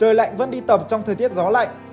trời lạnh vẫn đi tập trong thời tiết gió lạnh